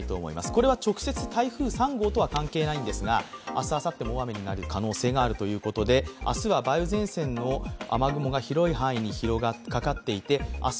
これは直接台風３号とは関係ないんですが、明日、あさっても大雨になる可能性があるということで明日は梅雨前線の雨雲が広い範囲にかかっていて明日